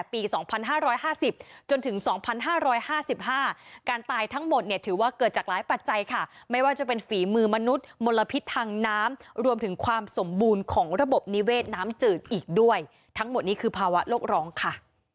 ผิดทางน้ำรวมถึงความสมบูรณ์ของระบบนิเวศน้ำจืดอีกด้วยทั้งหมดนี้คือภาวะโลกร้องค่ะ